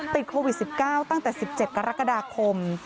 ติดโควิด๑๙ตั้งแต่๑๗กรกฎาคม